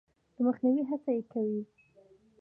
د مخنیوي هڅه یې کوي.